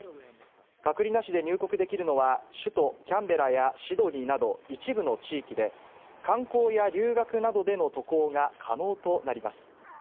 隔離なしで入国できるのは、首都キャンベラやシドニーなど一部の地域で、観光や留学などでの渡航が可能となります。